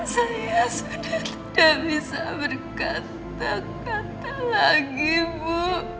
saya sudah tidak bisa berkata kata lagi bu